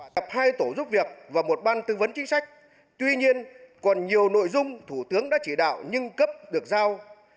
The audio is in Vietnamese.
tập hai tổ giúp việc và một ban tư vấn chính sách tuy nhiên còn nhiều nội dung thủ tướng đã chỉ đạo nhưng cấp được giao